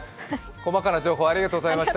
細かな情報、ありがとうございました。